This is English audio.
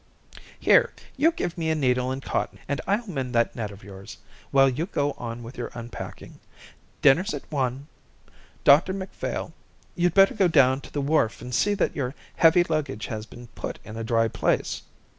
"Here, you give me a needle and cotton and I'll mend that net of yours, while you go on with your unpacking. Dinner's at one. Dr Macphail, you'd better go down to the wharf and see that your heavy luggage has been put in a dry place.